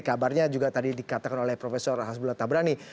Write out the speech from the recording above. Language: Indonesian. kabarnya juga tadi dikatakan oleh prof hasbul tabrani